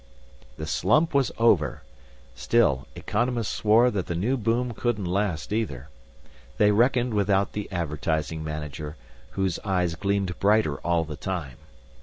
The slump was over. Still, economists swore that the new boom couldn't last either. They reckoned without the Advertising Manager, whose eyes gleamed brighter all the time.